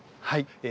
はい。